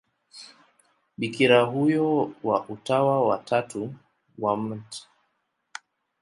Bikira huyo wa Utawa wa Tatu wa Mt.